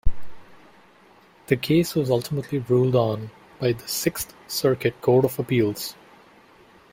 The case was ultimately ruled on by the Sixth Circuit Court of Appeals.